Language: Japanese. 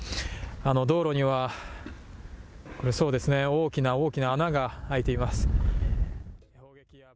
道路には大きな大きな穴が開いています。